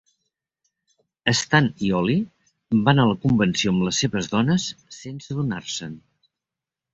Stan i Ollie van a la convenció amb les seves dones sense adonar-se'n.